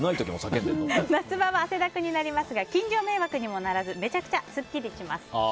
夏場は汗だくになりますが近所迷惑にもならずめちゃくちゃスッキリします。